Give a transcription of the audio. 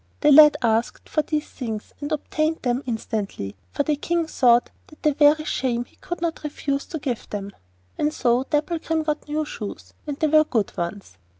The lad asked for these things and obtained them instantly, for the King thought that for very shame he could not refuse to give them, and so Dapplegrim got new shoes, and they were good ones.